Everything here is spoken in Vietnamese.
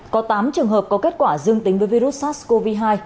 có tám trường hợp có kết quả dương tính với virus sars cov hai